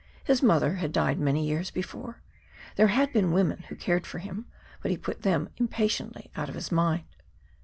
His mother had died many years before. There had been women who had cared for him, but he put them impatiently out of his mind.